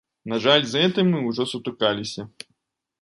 На жаль, з гэтым мы ўжо сутыкаліся.